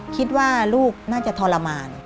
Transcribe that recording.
คิดว่าลูกน่าจะทรมาน